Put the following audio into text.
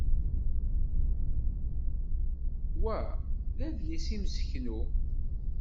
Wa d adlis imseknu.